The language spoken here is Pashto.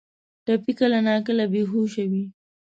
ټپي کله ناکله بې هوشه وي.